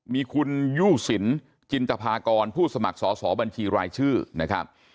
มีคุณยู่สินจินตภากรผู้สมัครสอสอบัญชีรายชื่อนะครับ